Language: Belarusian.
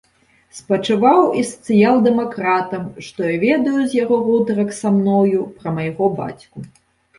Спачуваў і сацыял-дэмакратам, што я ведаю з яго гутарак са мною пра майго бацьку.